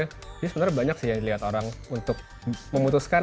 ini sebenarnya banyak sih yang dilihat orang untuk memutuskan